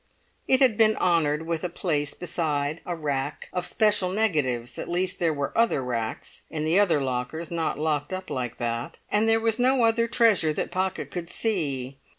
It had been honoured with a place beside a rack of special negatives; at least, there were other racks, in the other lockers, not locked up like that; and there was no other treasure that Pocket could see.